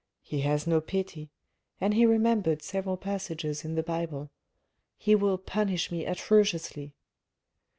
He has no pity (and he remembered several passages in the Bible) he will punish me atrociously.